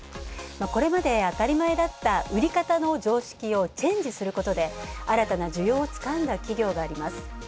これまで当たり前だった売り方の常識をチェンジすることで新たな需要をつかんだ企業があります。